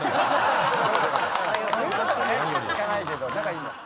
言うことはね聞かないけど仲いいんだ。